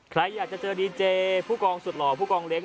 ใครอยากจะเจอดีเจผู้กองสุดหล่อผู้กองเล้